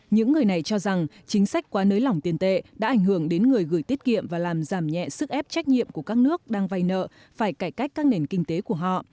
những người này cho rằng chính sách quá nới lỏng tiền tệ đã ảnh hưởng đến người gửi tiết kiệm và làm giảm nhẹ sức ép trách nhiệm của các nước đang vay nợ phải cải cách các nền kinh tế của họ